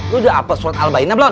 lo udah apa surat al ba'inah belum